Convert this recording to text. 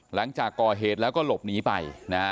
หลังจากก่อเหตุแล้วก็หลบหนีไปนะฮะ